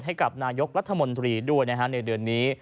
ให้กับนายกรัฐมนตรีด้วยในเดือนนี้